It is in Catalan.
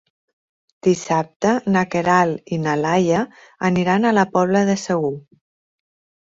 Dissabte na Queralt i na Laia aniran a la Pobla de Segur.